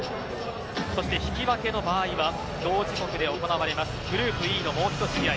そして、引き分けの場合は同時刻で行われますグループＥのもう一試合